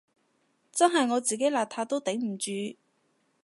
真係我自己邋遢都頂唔住